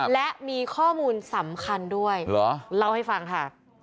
และมีข้อมูลสำคัญด้วยเหรอเล่าให้ฟังค่ะ